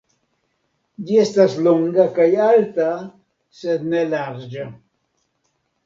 Ĝi estas longa kaj alta sed ne larĝa.